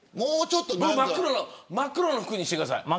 真っ黒な服にしてください。